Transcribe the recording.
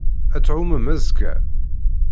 Ad tɛummem azekka?